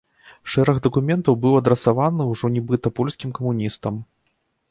Шэраг дакументаў быў адрасаваны ўжо нібыта польскім камуністам.